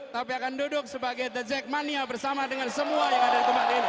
tapi akan duduk sebagai the jackmania bersama dengan semua yang ada di tempat ini